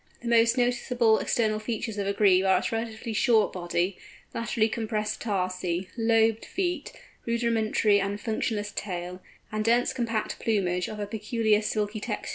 The most noticeable external features of a Grebe are its relatively short body, laterally compressed tarsi, lobed feet, rudimentary and functionless tail, and dense compact plumage of a peculiar silky texture.